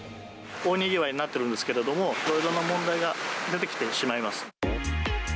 大にぎわいになっているんですけれども、いろいろな問題が出てきてしまいます。